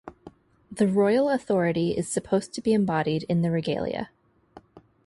The royal authority is supposed to be embodied in the regalia.